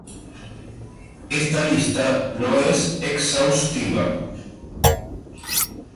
Esta lista no es exhaustiva